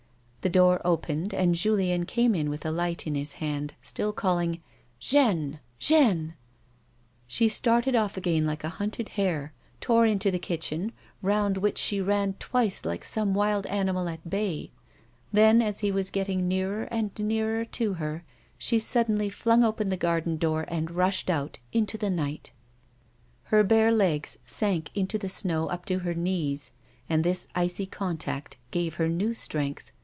The door opened, and Julien came in with a light in his hand, still calling, " Jeanne ! Jeanne !" She started olF again like a hunted hare, tore into the kitchen, round which she ran twice like some wild animal at bay, then, as he was getting nearer and nearer to her, she suddenly flung open the garden door, and rushed out into the night. Her bare legs sank into the snow up to her knees, and this icy contact gave her new strength.